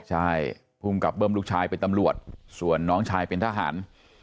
ใช่ภูมิกับเบิ้มลูกชายเป็นตำรวจส่วนน้องชายเป็นทหาร